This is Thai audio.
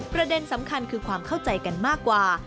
ประเด็นสำคัญคือความเข้าใจกันมากกว่า